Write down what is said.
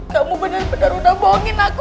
kamu bener bener udah bohongin aku